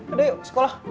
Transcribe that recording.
aduh yuk ke sekolah